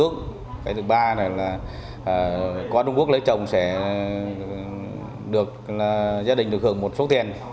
cái thứ ba là qua trung quốc lấy chồng sẽ được gia đình được hưởng một số tiền